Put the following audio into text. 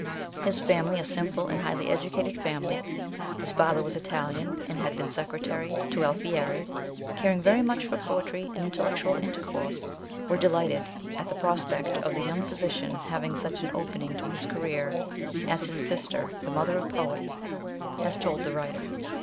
His family, a simple and highly educated family (his father was Italian, and had been secretary to Alfieri), caring very much for poetry and intellectual intercourse, were delighted at the prospect of the young physician having such an opening to his career, as his sister, the mother of poets, has told the writer.